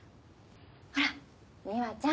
ほら美羽ちゃん